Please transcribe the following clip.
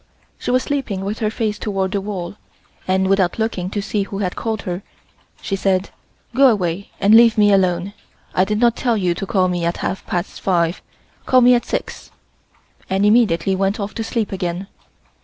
She was sleeping with her face toward the wall, and without looking to see who had called her, she said: "Go away and leave me alone. I did not tell you to call me at half past five. Call me at six," and immediately went off to sleep again.